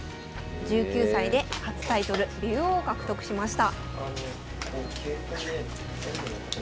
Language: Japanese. １９歳で初タイトル竜王獲得しました。